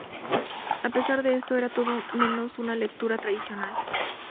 A pesar de eso era todo menos una lectura tradicional.